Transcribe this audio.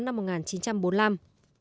cách mạng tháng tám ở hưng yên